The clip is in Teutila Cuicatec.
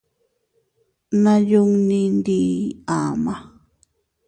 Nayunni ndiiy ama.